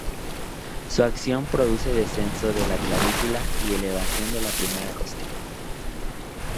Su acción produce descenso de la clavícula y elevación de la primera costilla.